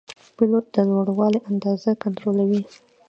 پیلوټ د لوړوالي اندازه کنټرولوي.